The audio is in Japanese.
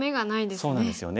そうなんですよね。